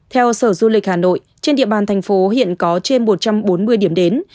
theo sở du lịch hà nội trên địa bàn thành phố hiện có trên một trăm bốn mươi điểm đến